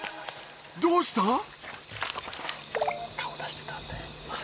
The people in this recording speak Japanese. どうした？